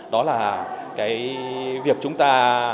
đó là việc chúng ta